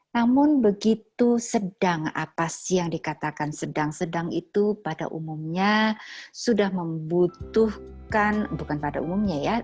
namun begitu sedang apa sih yang dikatakan sedang sedang itu pada umumnya sudah membutuhkan bukan pada umumnya ya